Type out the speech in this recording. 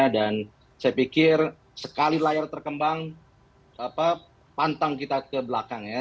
dan saya pikir sekali layar terkembang pantang kita ke belakang ya